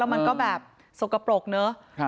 มันก็แบบสกปรกเนอะ